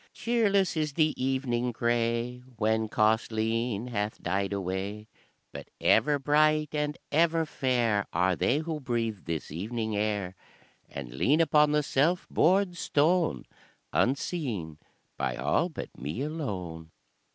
"Cheerless is the evening grey When Causleen hath died away, But ever bright and ever fair Are they who breathe this evening air, And lean upon the self bored stone Unseen by all but me alone."